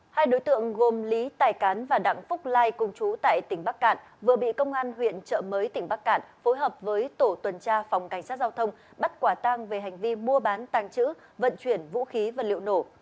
hai đối tượng gồm lý tài cán và đảng phúc lai cùng chú tại tỉnh bắc cạn vừa bị công an huyện trợ mới tỉnh bắc cạn phối hợp với tổ tuần tra phòng cảnh sát giao thông bắt quả tang về hành vi mua bán tàng trữ vận chuyển vũ khí vật liệu nổ